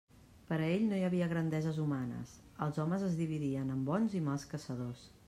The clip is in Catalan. Per a ell no hi havia grandeses humanes: els homes es dividien en bons i mals caçadors.